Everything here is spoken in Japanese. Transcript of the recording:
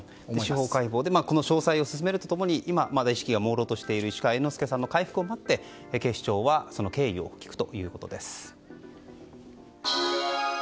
司法解剖でこの詳細を進めると共に今まだ意識がもうろうとしている市川猿之助さんの回復を待って、警視庁はその経緯を聞くということです。